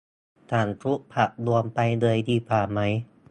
สั่งชุดผักรวมไปเลยดีกว่าไหม